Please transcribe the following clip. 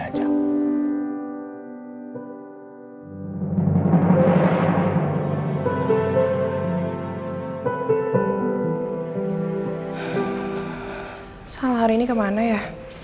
soal hari ini kemana ya